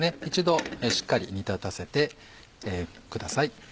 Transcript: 一度しっかり煮立たせてください。